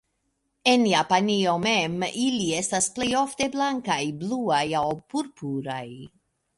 En Japanio mem ili estas plejofte blankaj, bluaj aŭ purpuraj.